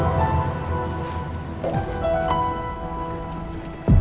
lo udah ngerti kan